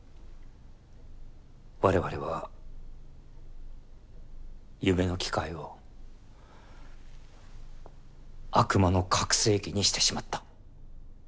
我々は夢の機械を悪魔の拡声機にしてしまった。